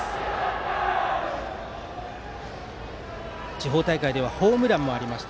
地方大会ではホームランもありました